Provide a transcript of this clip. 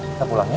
kita pulang ya